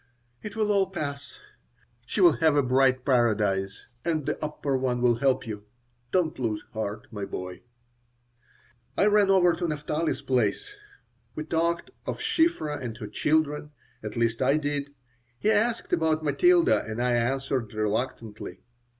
"It will all pass. She will have a bright paradise, and The Upper One will help you. Don't lose heart, my boy." I ran over to Naphtali's place. We talked of Shiphrah and her children at least I did. He asked about Matilda, and I answered reluctantly.